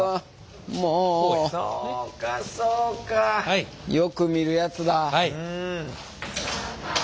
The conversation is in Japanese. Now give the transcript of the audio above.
そうかそうかよく見るやつだ。